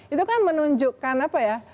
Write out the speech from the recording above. itu kan menunjukkan apa ya